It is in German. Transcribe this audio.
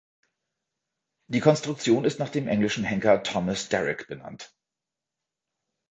Die Konstruktion ist nach dem englischen Henker Thomas Derrick benannt.